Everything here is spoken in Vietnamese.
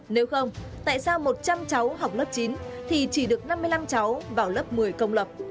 nếu không tại sao một trăm linh cháu học lớp chín thì chỉ được năm mươi năm cháu vào lớp một mươi công lập